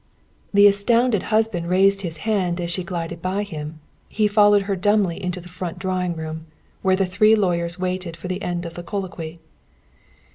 The astounded husband raised his hand as she glided by him. He followed her dumbly into the front drawing room, where the three lawyers waited for the end of the colloquy.